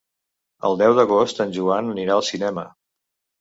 El deu d'agost en Joan anirà al cinema.